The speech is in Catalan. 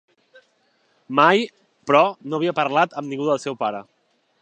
Mai, però, no havia parlat amb ningú del seu pare.